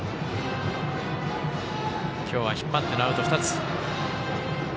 今日は引っ張ってのアウト２つ。